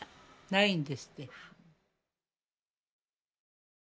ないんですって。